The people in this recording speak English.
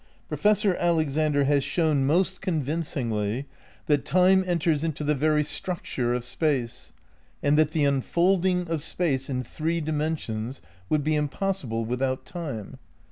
Professor Alexander has shown most convinc 219 220 THE NEW IDEALISM vi ingly that Time enters into the very structure of Space, and that the unfolding of Space in three dimensions would be impossible without Time.